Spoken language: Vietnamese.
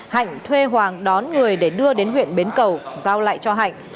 hạnh thuê hoàng đón người để đưa đến huyện bến cầu giao lại cho hạnh